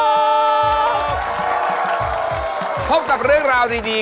นั่นมันไม่ใช่รถประหาสนุก